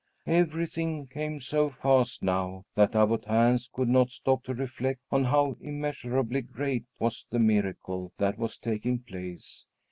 Everything came so fast now that Abbot Hans could not stop to reflect on how immeasurably great was the miracle that was taking place.